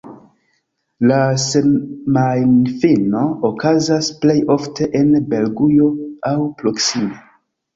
La semajnfino okazas plej ofte en Belgujo aŭ proksime.